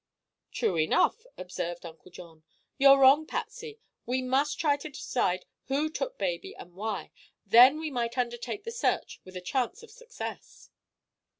"True enough," observed Uncle John. "You're wrong, Patsy. We must try to decide who took baby, and why. Then we might undertake the search with a chance of success."